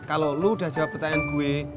kalo lu udah jawab pertanyaan gue